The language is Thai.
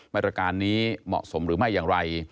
มาตรการนี้เหมาะสมหรือไม่อย่างไร